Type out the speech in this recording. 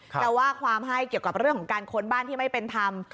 จะว่าความให้เกี่ยวกับเรื่องของการค้นบ้านที่ไม่เป็นธรรม